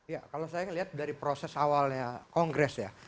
ya kalau saya lihat dari proses awalnya kongres ya